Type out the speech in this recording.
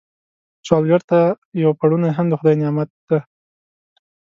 سوالګر ته یو پړونی هم د خدای نعمت دی